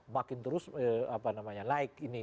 makin terus apa namanya like ini